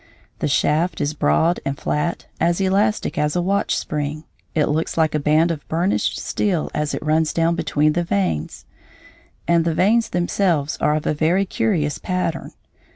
The shaft is broad and flat, as elastic as a watch spring; it looks like a band of burnished steel as it runs down between the vanes. And the vanes themselves are of a very curious pattern.